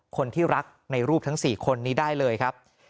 คนที่รักในรูปทั้ง๔คนนี้ได้เลยครับ